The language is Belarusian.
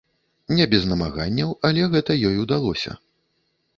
Не без намаганняў, але гэта ёй удалося.